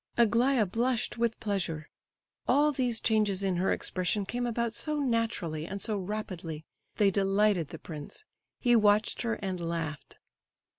Aglaya blushed with pleasure. All these changes in her expression came about so naturally and so rapidly—they delighted the prince; he watched her, and laughed.